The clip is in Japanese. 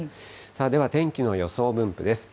では天気の予想分布です。